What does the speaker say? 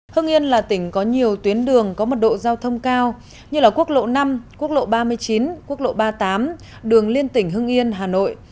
hưng yên là tỉnh có nhiều tuyến đường có mật độ giao thông cao như là quốc lộ năm quốc lộ ba mươi chín quốc lộ ba mươi tám đường liên tỉnh hưng yên hà nội